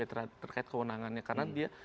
terkait kewenangannya karena dia